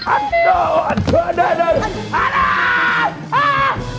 aduh aduh aduh aduh